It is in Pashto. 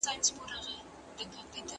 راته معلومه شوه چې کار مې سر ته نه رسیږي